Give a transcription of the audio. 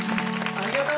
ありがとう！